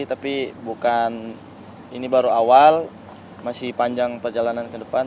tapi bukan ini baru awal masih panjang perjalanan ke depan